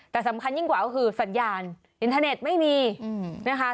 แต่สำคัญยิ่งกว่าก็คือสัญญาณอินเทอร์เน็ตไม่มีนะคะ